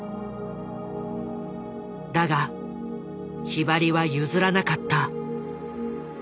だがひばりは譲らなかった。